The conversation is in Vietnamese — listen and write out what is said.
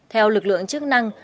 theo lực lượng chức năng